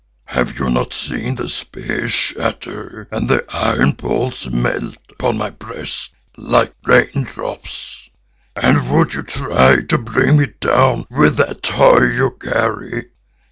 Have you not seen the spear shatter and the iron balls melt upon my breast like rain drops, and would you try to bring me down with that toy you carry?